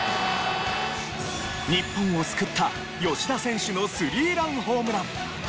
日本を救った吉田選手のスリーランホームラン！